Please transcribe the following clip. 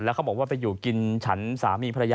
แล้วเขาบอกว่าไปอยู่กินฉันสามีพนายะ